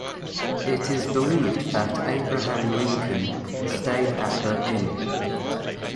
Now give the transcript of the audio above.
It is believed that Abraham Lincoln stayed at the Inn.